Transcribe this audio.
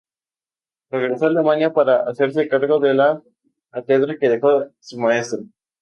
Regresó a Alemania para hacerse cargo de la cátedra que dejara su maestro.